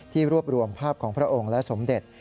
รวบรวมภาพของพระองค์และสมเด็จ